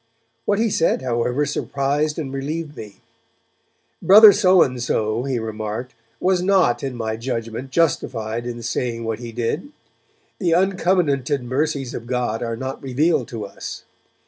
What he said, however, surprised and relieved me. 'Brother So and So,' he remarked, 'was not, in my judgement, justified in saying what he did. The uncovenanted mercies of God are not revealed to us.